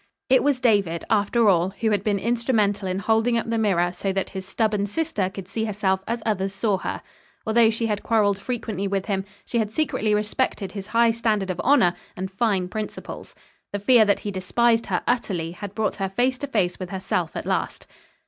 It was David, after all, who had been instrumental in holding up the mirror so that his stubborn sister could see herself as others saw her. Although she had quarreled frequently with him, she had secretly respected his high standard of honor and fine principles. The fear that he despised her utterly had brought her face to face with herself at last.